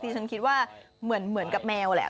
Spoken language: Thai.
ฉันคิดว่าเหมือนกับแมวแหละ